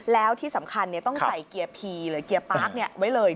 แล้วที่สำคัญต้องใส่เกียร์พีหรือเกียร์ปาร์คไว้เลย